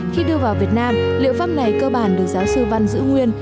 khi đưa vào việt nam liệu pháp này cơ bản được giáo sư văn giữ nguyên